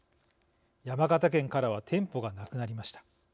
山形県からは店舗がなくなりました。